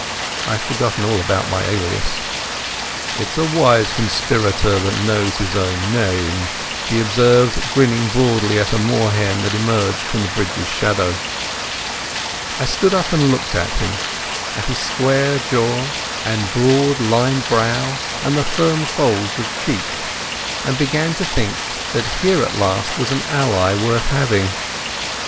I had forgotten all about my alias. "It's a wise conspirator that knows his own name," he observed, grinning broadly at a moor hen that emerged from the bridge's shadow. I stood up and looked at him, at the square, cleft jaw and broad, lined brow and the firm folds of cheek, and began to think that here at last was an ally worth having.